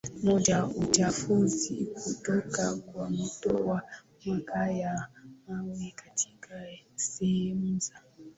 moja Uchafuzi kutoka kwa moto wa makaa ya mawe katika sehemu za